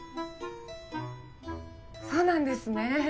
そうなんですね。